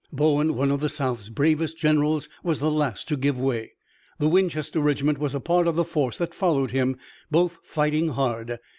Bowen, one of the South's bravest generals, was the last to give way. The Winchester regiment was a part of the force that followed him, both fighting hard.